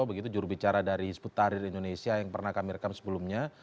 begitu jurubicara dari hizbut tahrir indonesia yang pernah kami rekam sebelumnya